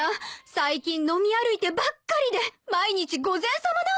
最近飲み歩いてばっかりで毎日午前さまなんです。